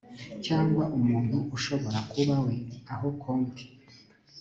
cyangwa umuntu ushobora kuba we aho konti